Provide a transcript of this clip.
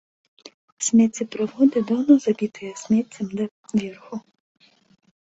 Смеццеправоды даўно забітыя смеццем даверху.